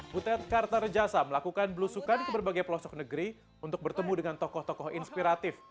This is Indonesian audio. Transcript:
butet kartarejasa melakukan belusukan ke berbagai pelosok negeri untuk bertemu dengan tokoh tokoh inspiratif